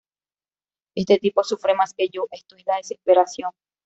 Este tipo sufre más que yo, esto es la desesperación’.